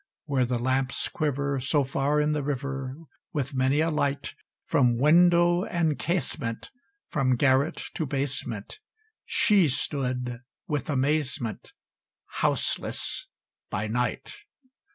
Where the lamps quiver So far in the river, With many a light From window and casement, From garret to basement, She stood, with amazement, Houseless by night.